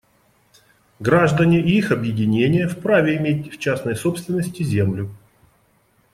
Граждане и их объединения вправе иметь в частной собственности землю.